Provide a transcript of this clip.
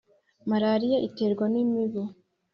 malaria iterwa n’imibu